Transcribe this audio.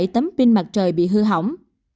hai mươi bảy tấm pin mặt trời bị hư hỏng